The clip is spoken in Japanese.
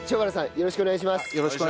よろしくお願いします！